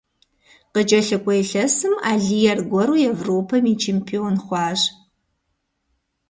КъыкӀэлъыкӀуэ илъэсым Алий аргуэру Европэм и чемпион хъуащ.